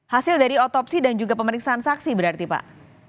hasil dari otopsi dan juga pemeriksaan saksi berarti pak